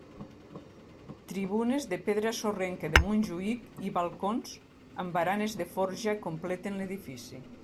Tribunes de pedra sorrenca de Montjuïc i balcons amb baranes de forja completen l'edifici.